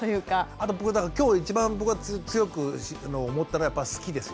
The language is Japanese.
あと今日一番僕が強く思ったのはやっぱ「好き」ですよ。